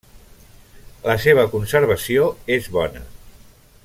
La seva conservació és bona.